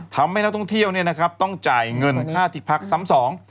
ทำให้นักท่องเที่ยวต้องจ่ายเงินค่าที่พักซ้ำสอง